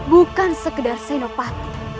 bukan sekedar senopati